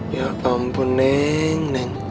ya ampun neng